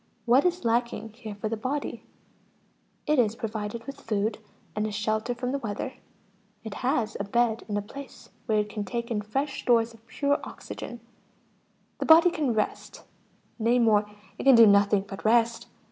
What is lacking here for the body? It is provided with food, and a shelter from the weather, it has a bed and a place where it can take in fresh stores of pure oxygen; the body can rest, nay more, it can do nothing but rest.